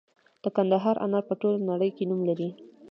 د کندهار انار په ټوله نړۍ کې نوم لري.